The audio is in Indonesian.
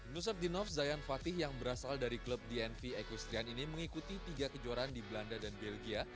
nusab dinov zayan fatih yang berasal dari klub dnv ekustrian ini mengikuti tiga kejuaraan di belanda dan belgia